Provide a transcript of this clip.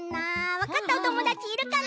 わかったおともだちいるかな？